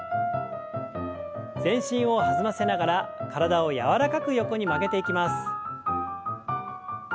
全身を弾ませながら体を柔らかく横に曲げていきます。